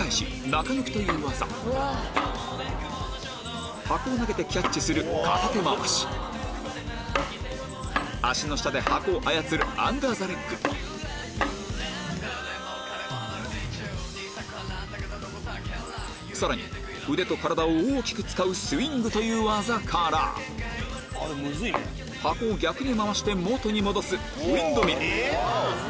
中抜きという技箱を投げてキャッチする片手回し足の下で箱を操るアンダーザレッグさらに腕と体を大きく使うスイングという技から箱を逆に回して元に戻すウインドミル